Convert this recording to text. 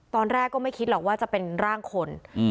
ตอนแรกก็ไม่คิดหรอกว่าจะเป็นร่างคน